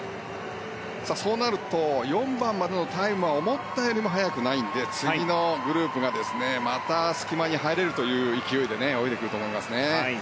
そうなると４番までのタイムは思ったよりも早くないので次のグループがまた隙間に入れるという勢いで泳いでくると思います。